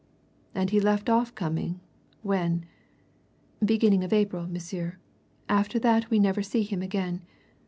"And he left off coming when?" "Beginning of April, monsieur after that we never see him again.